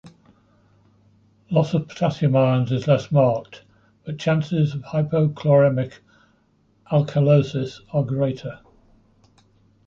Loss of potassium ions is less marked but chances of hypochloremic alkalosis are greater.